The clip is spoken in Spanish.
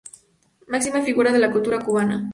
Máxima Figura de la Cultura Cubana.